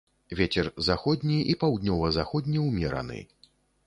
Вецер заходні і паўднёва-заходні ўмераны.